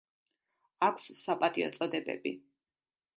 აქვს საპატიო წოდებები.